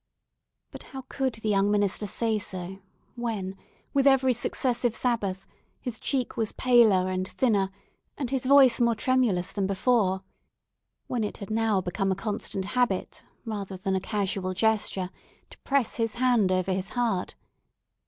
But how could the young minister say so, when, with every successive Sabbath, his cheek was paler and thinner, and his voice more tremulous than before—when it had now become a constant habit, rather than a casual gesture, to press his hand over his heart?